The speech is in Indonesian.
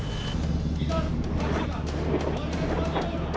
roket ini didesain untuk mencari penyelamatkan kapal selam musuh